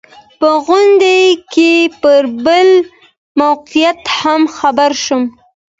په غونډه کې پر بل واقعیت هم خبر شوم.